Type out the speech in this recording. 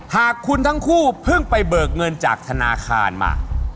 หากคุณทั้งคู่เพิ่งไปเบิกเงินจากธนาคารมา